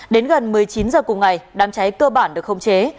đến gần một mươi chín h cùng ngày đám cháy cơ bản được khống chế